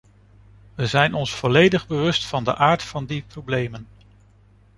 Wij zijn ons volledig bewust van de aard van die problemen.